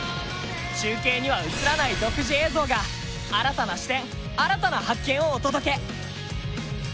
中継には映らない独自映像が新たな視点、新たな発見をお届け。